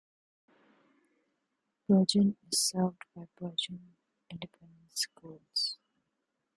Burgin is served by Burgin Independent Schools.